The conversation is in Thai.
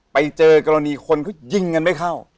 ไปเจอกรณีคนเขายิงกันไม่เข้า